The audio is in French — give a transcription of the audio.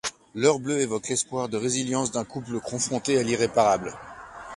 L'Heure bleue évoque l'espoir de résilience d'un couple confronté à l'irréparable...